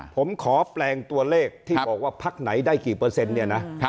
ผมขอแปลงตัวเลขที่บอกว่าพักไหนได้กี่เปอร์เซ็นต์เนี่ยนะ